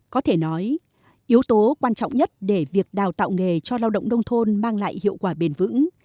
có thể nói yếu tố quan trọng nhất để việc đào tạo nghề cho lao động nông thôn mang lại hiệu quả bền vững